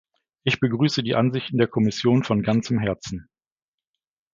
Ich begrüße die Ansichten der Kommission von ganzem Herzen.